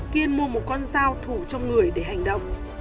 kiên mua một con dao thủ trong người để hành động